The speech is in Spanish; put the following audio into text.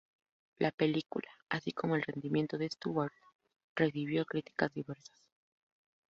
La película, así como el rendimiento de Stewart, recibió críticas diversas.